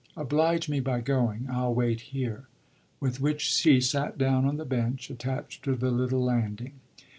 "Oblige me by going. I'll wait here." With which she sat down on the bench attached to the little landing.